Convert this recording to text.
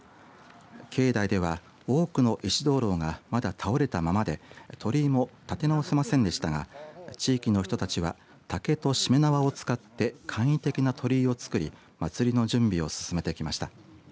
境内では多くの石灯籠がまだ倒れたままで鳥居も建て直せませんでしたが地域の人たちは竹としめ縄を使って簡易的な鳥居を造り祭りの準備を進めてきました。